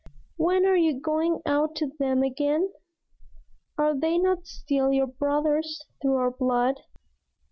"When are you going out to them again? Are they not still your brothers through our blood?"